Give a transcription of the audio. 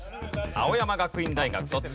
青山学院大学卒。